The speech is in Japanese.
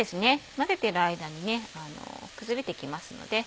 混ぜてる間に崩れてきますので。